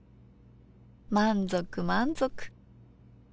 満足満足。